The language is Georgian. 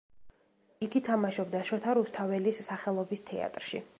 იგი თამაშობდა შოთა რუსთაველის სახელობის თეატრში.